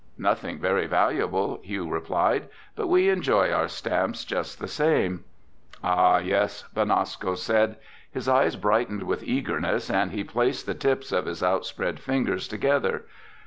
"Nothing very valuable," Hugh replied. "But we enjoy our stamps just the same." "Ah, yes," Benasco said. His eyes brightened with eagerness and he placed the tips of his outspread fingers together.